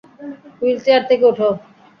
Wheelchair থেকে ওঠো!